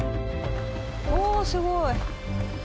おすごい！